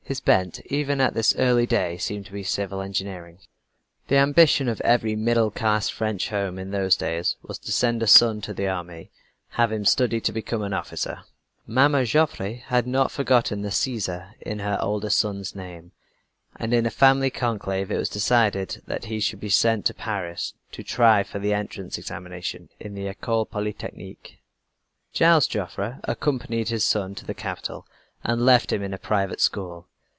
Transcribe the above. His bent even at this early day seemed to be civil engineering. The ambition of every middle class French home, in those days, was to send a son to the army have him study to become an officer. Mamma Joffre had not forgotten the Caesar in her oldest son's name; and in a family conclave it was decided that he should be sent to Paris, to try for the entrance examinations in the École Polytechnique. Gilles Joffre accompanied his son to the capital, and left him in a private school.